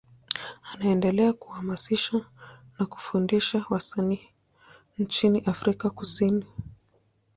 Anaendelea kuhamasisha na kufundisha wasanii nchini Afrika Kusini.